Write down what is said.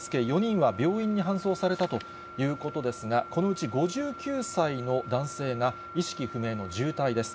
消防などが駆けつけ４人は病院に搬送されたということですが、このうち５９歳の男性が意識不明の重体です。